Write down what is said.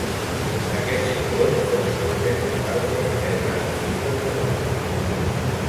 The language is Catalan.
Aquests ciclons són dels més letals de la terra en xifres de morts.